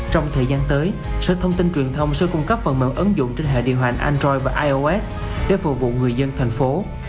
trong thời gian tới sở thông tin truyền thông sẽ cung cấp phần mềm ứng dụng trên hệ điều hành android và ios để phục vụ người dân thành phố